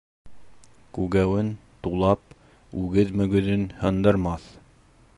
Күгәүен, тулап, үгеҙ мөгөҙөн һындырмаҫ.